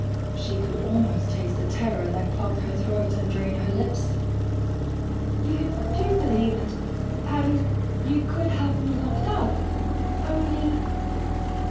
She could almost taste the terror that clogged her throat and dried her lips. "You do believe it. And you could have me locked up. Only